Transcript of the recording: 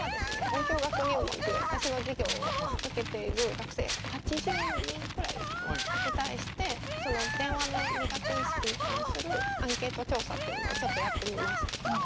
音響学入門っていう私の授業を受けている学生８０人くらいですかねに対して電話の苦手意識に関するアンケート調査っていうのをちょっとやってみました。